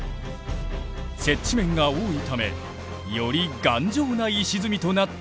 接地面が多いためより頑丈な石積みとなっているのだ。